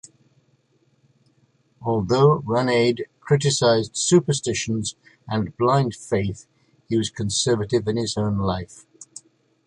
Though Ranade criticised superstitions and blind faith, he was conservative in his own life.